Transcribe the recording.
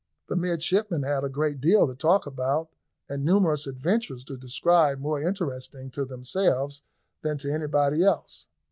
The midshipmen had a great deal to talk about, and numerous adventures to describe more interesting to themselves than to anybody else.